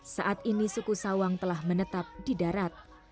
saat ini suku sawang telah menetap di darat